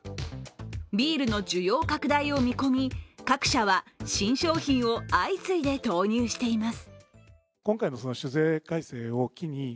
ビールの需要拡大を見込み、各社は新商品を相次いで投入しています。